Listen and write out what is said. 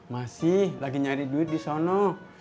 masih lagi nyari duit di sana